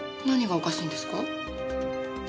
何がおかしいんですか？